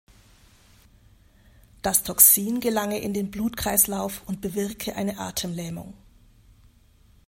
Das Toxin gelange in den Blutkreislauf und bewirke eine Atemlähmung.